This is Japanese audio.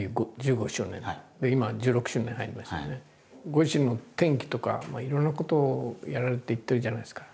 ご自身の転機とかいろんなことをやられていってるじゃないですか。